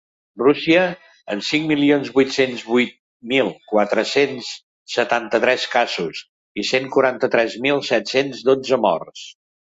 Rússia, amb cinc milions vuit-cents vuit mil quatre-cents setanta-tres casos i cent quaranta-tres mil set-cents dotze morts.